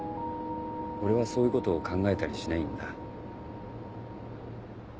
俺はそういうことを考えたりしないんだ。